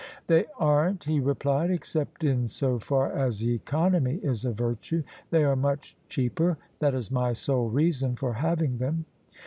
" They aren't," he replied, " except in so far as economy is a virtue. They are much cheaper: that is my sole reason for having them."